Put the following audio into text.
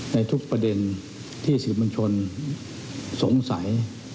ในทุกประเด็นที่สื่อมวลชนสงสัย